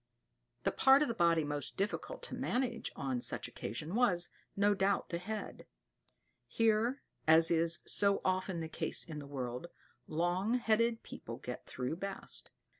The part of the body most difficult to manage on such occasions was, no doubt, the head; here, as is so often the case in the world, long headed people get through best.